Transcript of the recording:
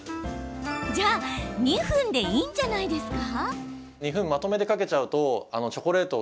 じゃあ、２分でいいんじゃないですか？